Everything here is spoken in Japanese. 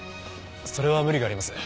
それは無理があります。